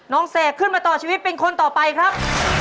เสกขึ้นมาต่อชีวิตเป็นคนต่อไปครับ